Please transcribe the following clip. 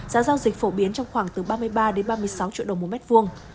giá giao dịch phổ biến trong khoảng từ ba mươi ba ba mươi sáu triệu đồng mỗi mét vuông